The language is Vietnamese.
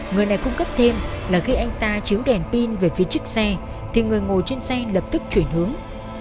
người này cung cấp thêm là khi anh ta chiếu đèn pin về phía chiếc xe thì người ngồi trên xe lập tức chuyển hướng